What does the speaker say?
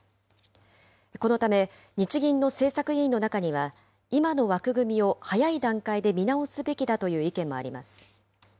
このため日銀の政策委員の中には、今の枠組みを早い段階で見直すべきだという意見もあります。